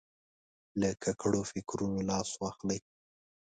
له ککړو فکرونو لاس واخلي.